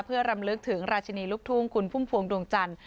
เพื่อรำลึกถึงราชินีลูกทุ่งคุณพุ่มพวงดวงจันทร์